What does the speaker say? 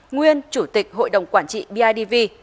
nguyên chủ tịch hội đồng quản trị bidv